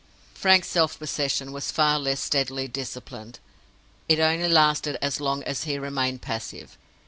Frank's self possession was far less steadily disciplined: it only lasted as long as he remained passive.